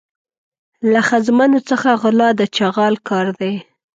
له ښځمنو څخه غلا د چغال کار دی.